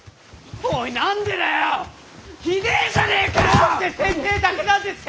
どうして先生だけなんですか！